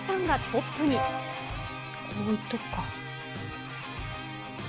こういっとくか。